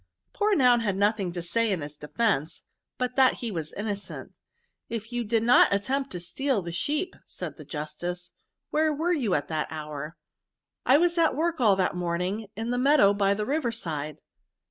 '^ Poor Noun had nothing to say in his defence, but that he was innocent * If you did not attempt to steal the sheep,' said the justice, * where were you at that hour V VERBS. 381 *'* I was at work all that morning in the meadow by the river side.'